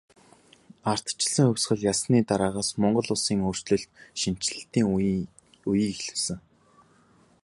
Ардчилсан хувьсгал ялсны дараагаас Монгол улс өөрчлөлт шинэчлэлтийн үеийг эхлүүлсэн.